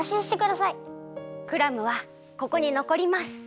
クラムはここにのこります。